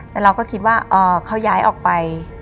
แต่เราก็คิดว่าเขาย้ายออกไป